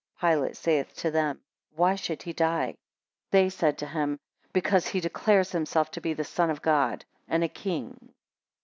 20 Pilate saith to them, Why should he die? 21 They said to him, Because he declares himself to be the Son of God and a King.